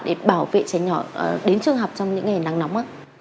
để bảo vệ trẻ nhỏ đến trường học trong những ngày nắng nóng